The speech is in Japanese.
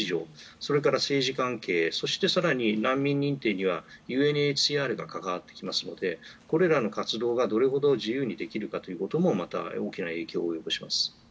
それから政治関係更に難民に認定にはＵＮＨＣＲが出てきますのでこれらの活動がどれだけ自由にできるかということが大きな影響を及ぼします。